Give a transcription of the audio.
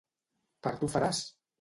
Per tu faràs!